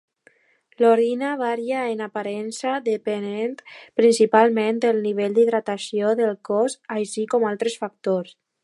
L'orina varia en aparença, depenent principalment del nivell d'hidratació del cos, així com altres factors.